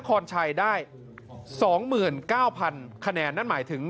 กายุ่ง